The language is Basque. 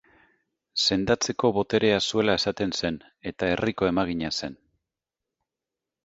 Sendatzeko boterea zuela esaten zen eta herriko emagina zen.